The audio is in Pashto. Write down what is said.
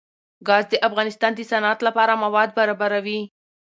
ګاز د افغانستان د صنعت لپاره مواد برابروي.